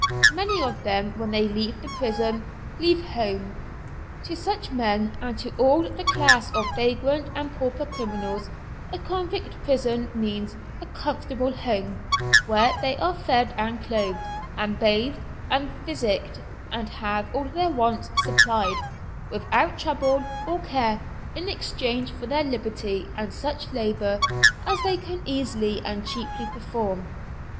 Many of them when they leave the prison, leave home. To such men, and to all the class of vagrant and pauper criminals, a convict prison means a comfortable home, where they are fed and clothed, and bathed and physicked, and have all their wants supplied, without trouble or care, in exchange for their liberty and such labour as they can easily and cheaply perform.